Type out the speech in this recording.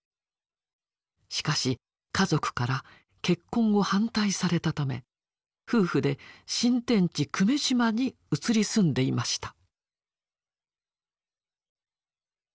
しかし家族から結婚を反対されたため夫婦で新天地久米島に移り住んでいました。